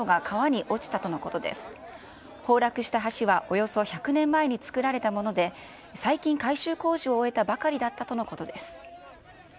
崩落した橋はおよそ１００年前に造られたもので、最近改修工事を終えたばかりだったとのことです。